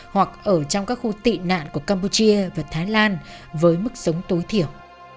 hoặc ở trong các khu tị nạn của campuchia và thái lan với mức sống tối thiểu